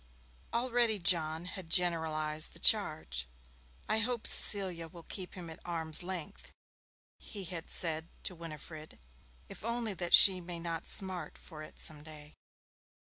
Already John had generalized the charge. 'I hope Cecilia will keep him at arm's length,' he had said to Winifred, 'if only that she may not smart for it some day.'